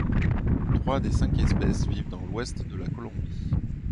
Trois des cinq espèces vivent dans l'ouest de la Colombie.